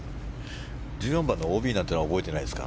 １４番のＯＢなんていうのは覚えてないですか？